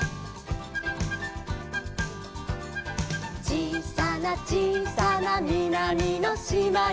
「ちいさなちいさなみなみのしまに」